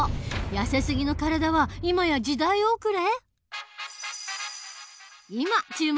やせすぎの体は今や時代遅れ！？